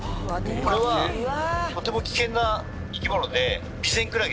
とても危険な生き物で。